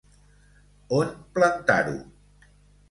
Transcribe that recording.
On plantar-ho.